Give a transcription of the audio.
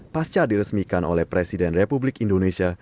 pasca diresmikan oleh presiden republik indonesia